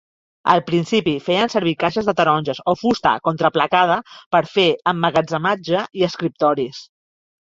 Al principi feien servir caixes de taronges o fusta contraplacada per fer emmagatzematge i escriptoris.